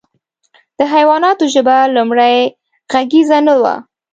د حیواناتو ژبه لومړۍ غږیزه نه وه.